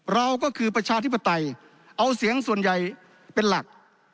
เราก็คือประชาธิปไตยเอาเสียงส่วนใหญ่เป็นหลัก